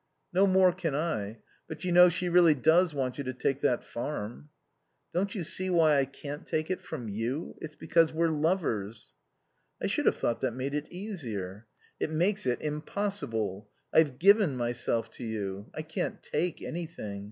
"No more can I. But you know, she really does want you to take that farm." "Don't you see why I can't take it from you? It's because we're lovers." "I should have thought that made it easier." "It makes it impossible. I've given myself to you. I can't take anything.